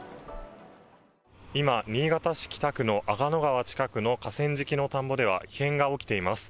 今、新潟市北区のあがの川近くの河川敷の田んぼでは、異変が起きています。